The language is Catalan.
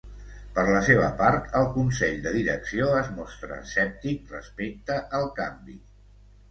Per la seva part, el consell de direcció es mostra escèptic respecte al canvi.